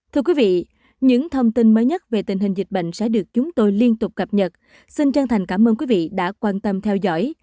thưa quý vị những thông tin mới nhất về tình hình dịch bệnh sẽ được chúng tôi liên tục cập nhật xin chân thành cảm ơn quý vị đã quan tâm theo dõi